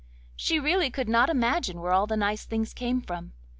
She really could not imagine where all the nice things came from.